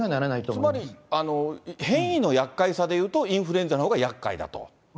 つまり、変異のやっかいさでいうと、インフルエンザのほうがやっかいだと。